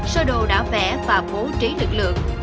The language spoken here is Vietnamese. sơ đồ đã vẽ và bố trí lực lượng